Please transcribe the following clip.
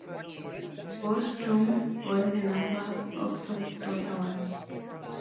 "Maelstrom" won a number of software awards.